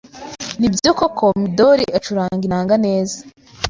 Nibyo koko Midori acuranga inanga neza?